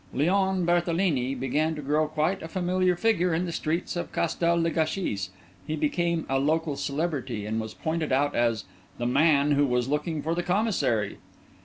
Léon Berthelini began to grow quite a familiar figure in the streets of Castel le Gâchis; he became a local celebrity, and was pointed out as "the man who was looking for the Commissary."